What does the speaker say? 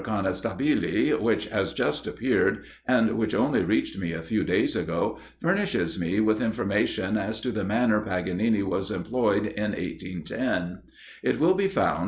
Conestabile, which has just appeared, and which only reached me a few days ago,[G] furnishes me with information as to the manner Paganini was employed in 1810. It will be found (p.